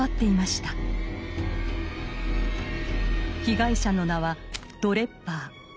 被害者の名はドレッバー。